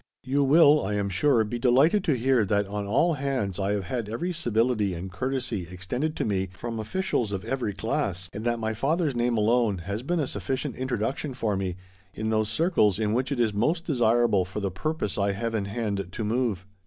You will, I am sure, be delighted to hear that on all hands I have had every civility and courtesy extended to me from officials of every class, and that my father's name alone has been a sufficient introduction for me in those circles in which it is most desirable, for the purpose I have in hand, to move.